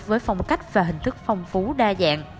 với phong cách và hình thức phong phú đa dạng